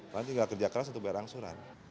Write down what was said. nanti nggak kerja keras untuk bayar angsuran